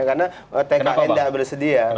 karena tkn enggak bersedia